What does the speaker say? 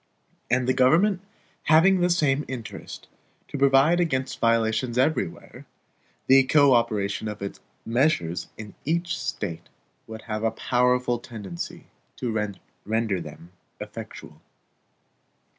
And the government having the same interest to provide against violations everywhere, the co operation of its measures in each State would have a powerful tendency to render them effectual.